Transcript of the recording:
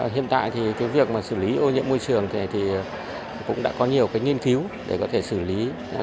hiện tại thì việc xử lý ô nhiễm môi trường thì cũng đã có nhiều nghiên cứu để có thể xử lý